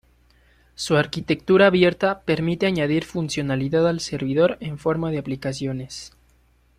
Su arquitectura abierta permite añadir funcionalidad al servidor en forma de aplicaciones.